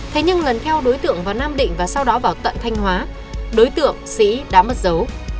thế nhưng lần theo đối tượng vào nam định và sau đó vào tận thanh hóa đối tượng sĩ đã mất dấu